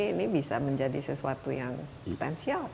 ini bisa menjadi sesuatu yang potensial